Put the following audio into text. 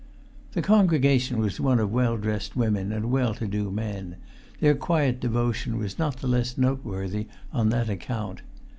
The congregation was one of well dressed women and well to do men; their quiet devotion was not the less noteworthy on that account.